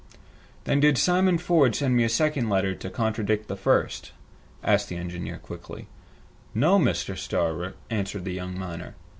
"Then did Simon Ford send me a second letter to contradict the first?" asked the engineer quickly. "No, Mr. Starr," answered the young miner.